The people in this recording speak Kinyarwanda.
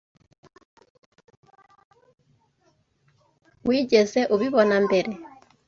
Wigeze ubibona mbere?